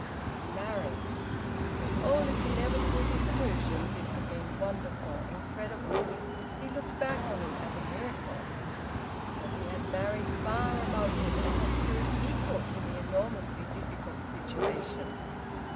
His marriage! With all its inevitable disillusions it had been wonderful, incredible. He looked back on it as a miracle. For he had married far above him, and had proved equal to the enormously difficult situation.